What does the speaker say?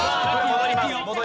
戻ります。